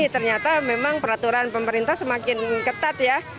ternyata memang peraturan pemerintah semakin ketat ya